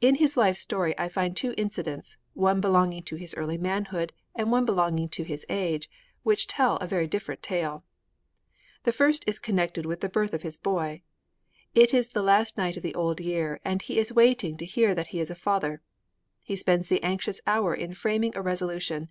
In his life story I find two incidents one belonging to his early manhood and one belonging to his age which tell a very different tale. The first is connected with the birth of his boy. It is the last night of the Old Year, and he is waiting to hear that he is a father. He spends the anxious hour in framing a resolution.